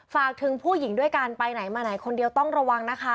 ฝากถึงผู้หญิงด้วยการไปไหนมาไหนคนเดียวต้องระวังนะคะ